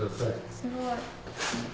すごい。